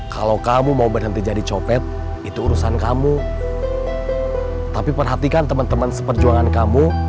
kalau kamu mau berhenti jadi copet itu urusan kamu tapi perhatikan teman teman seperjuangan kamu